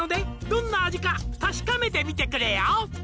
「どんな味か確かめてみてくれよ」